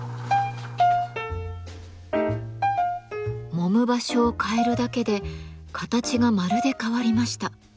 もむ場所を変えるだけで形がまるで変わりました。